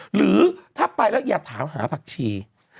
หรือถ้าไปแล้วอย่าถามหาผักชี